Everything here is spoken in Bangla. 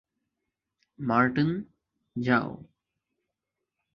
মার্টন, যাও।